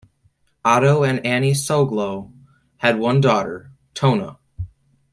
Otto and Annie Soglow had one daughter, Tona.